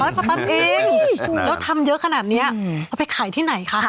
แล้วทำเยอะขนาดนี้เขาไปขายที่ไหนค่ะ